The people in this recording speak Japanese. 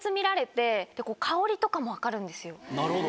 なるほど。